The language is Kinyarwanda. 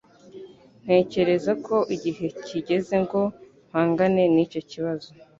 Ntekereza ko igihe kigeze ngo mpangane nicyo kibazo.